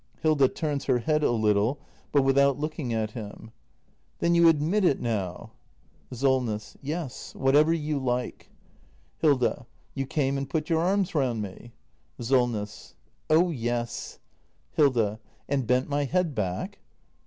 Hilda. [Turns her head a little, but without looking at him.] Then you admit it now ? Solness. Yes — whatever you like. act i] THE MASTER BUILDER 305 Hilda. You came and put your arms round me ? SOLNESS. Oh yes! Hilda. And bent my head back